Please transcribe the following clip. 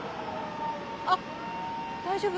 あ大丈夫？